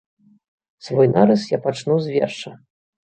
Свой нарыс я пачну з верша.